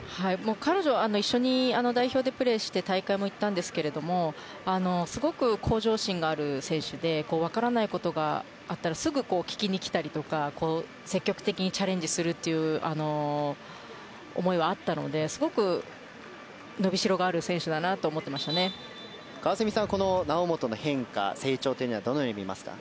彼女とは一緒に代表でプレーして大会も行ったんですがすごく向上心がある選手で分からないことがあったらすぐ聞きにきたりとか積極的にチャレンジするという思いはあったのですごく伸びしろがある選手だなと川澄さんは猶本の変化成長というものはどのように見ますか。